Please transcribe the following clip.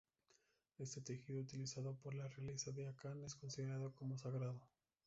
Este tejido, utilizado por la realeza de Akan, es considerado como sagrado.